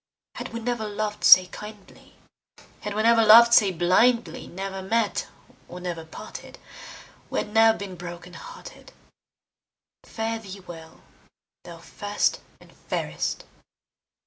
Had we never lov'd say kindly, Had we never lov'd say blindly, Never met or never parted We had ne'er been broken hearted. Fare thee well, thou first and fairest!